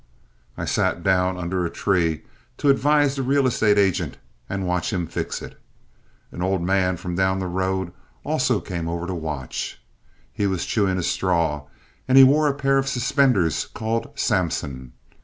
I sat down under a tree to advise the real estate agent and watch him fix it. An old man from down the road also came over to watch. He was chewing a straw, and he wore a pair of suspenders called Sampson.